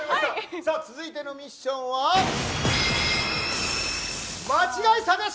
続いてのミッションは間違い探し。